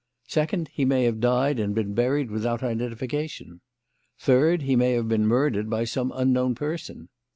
Second, he may have died and been buried without identification. Third, he may have been murdered by some unknown person.